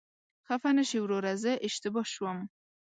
خفه نشې وروره، زه اشتباه شوم.